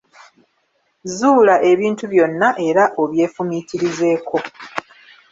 Zuula ebintu byonna era obyefumiitirizeeko.